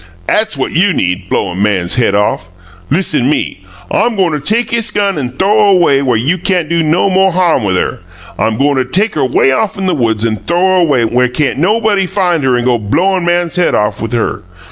'At's what you need blowin' man's head off! Listen me: I'm goin' take 'iss gun an' th'ow her away where you can't do no mo' harm with her. I'm goin' take her way off in the woods an' th'ow her away where can't nobody fine her an' go blowin' man's head off with her.